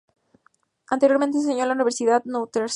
Anteriormente enseñó en la Universidad Northeastern.